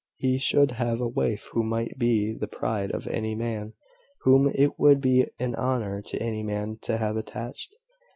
He should have a wife who might be the pride of any man, whom it would be an honour to any man to have attached.